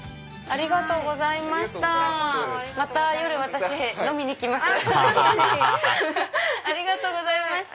ありがとうございます。